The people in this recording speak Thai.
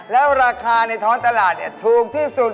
แล้วราคาในท้องตลาดถูกที่สุด